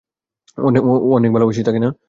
অনেক ভালোবাসিস তাকে না?